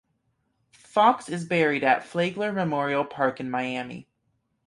Foxx is buried at Flagler Memorial Park in Miami.